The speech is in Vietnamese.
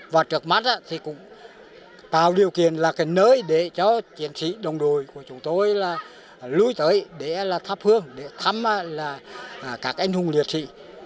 và trước mắt thì cũng tạo điều kiện là cái nơi để cho chiến sĩ đồng đội của chúng tôi lui tới để là thắp hương để thăm các anh hùng liệt sĩ